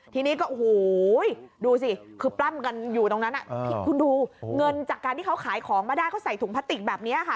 ทีนี้ก็โอ้โหดูสิคือปล้ำกันอยู่ตรงนั้นคุณดูเงินจากการที่เขาขายของมาได้เขาใส่ถุงพลาสติกแบบนี้ค่ะ